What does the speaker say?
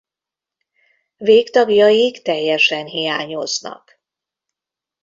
Végtagjaik teljesen hiányoznak.